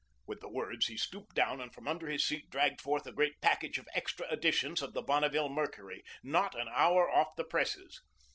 With the words, he stooped down and from under his seat dragged forth a great package of extra editions of the "Bonneville Mercury," not an hour off the presses.